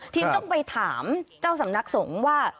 ทีนี้ต้องไปถามเจ้าสำนักสงฆ์ว่า